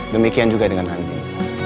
demikian juga dengan andin